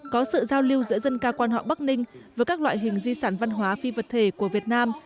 có sự giao lưu giữa dân ca quan họ bắc ninh với các loại hình di sản văn hóa phi vật thể của việt nam